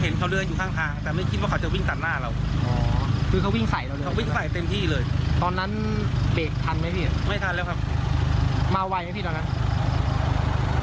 แล้วสักพักเดี๋ยวก็เลยเห็นคนเดินมาก็เลยว่าเอาเขาไปดูอะไร